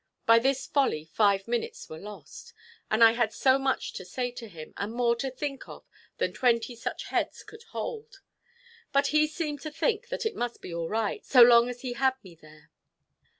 By this folly five minutes were lost; and I had so much to say to him, and more to think of than twenty such heads could hold. But he seemed to think that it must be all right, so long as he had me there.